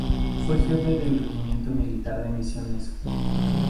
Fue jefe del Regimiento militar de Misiones.